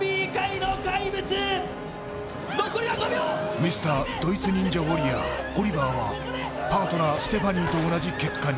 ミスタードイツ忍者ウォリアーオリバーはパートナー・ステファニーと同じ結果に。